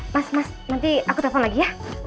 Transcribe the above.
mas mas nanti aku telepon lagi ya